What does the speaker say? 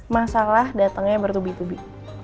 masalah datangnya bertubi tubi